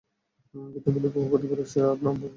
ভিন্ন ভিন্ন বহু প্রতিপালক শ্রেয়, না পরাক্রমশালী এক আল্লাহ?